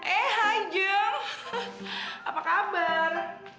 eh hai jem apa kabar